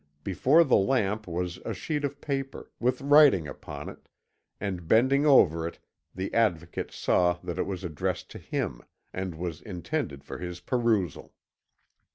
Before the lamp was a sheet of paper, with writing upon it, and bending over it the Advocate saw that it was addressed to him, and was intended for his perusal.